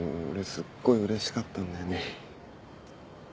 すっごいうれしかったんだよね。